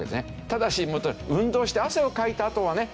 ただし運動して汗をかいたあとはね